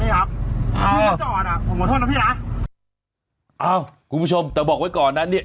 พี่เขาจอดอ่ะผมขอโทษนะพี่นะอ้าวคุณผู้ชมแต่บอกไว้ก่อนนะเนี่ย